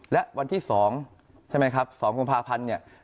และวันที่๒ใช่ไหมครับ๒กุมภาพันธ์เนี่ย